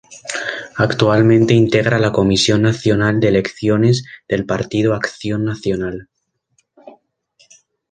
Actualmente integra la Comisión Nacional de Elecciones del Partido Acción Nacional.